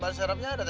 barserapnya ada teh